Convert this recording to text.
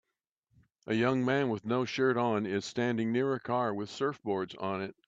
A young man with no shirt on is standing near a car with surfboards on it